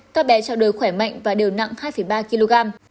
các bé trao đổi khỏe mạnh và đều nặng hai ba kg